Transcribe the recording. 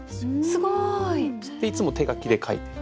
すごい！いつも手書きで書いてて。